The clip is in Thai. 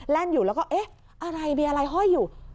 อยู่แล้วก็เอ๊ะอะไรมีอะไรห้อยอยู่